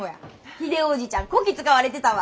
ヒデオ叔父ちゃんこき使われてたわ。